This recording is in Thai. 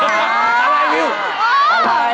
ก็เลยเอ้ย